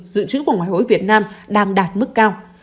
dự trữ của ngoại hối việt nam đang đạt mức cao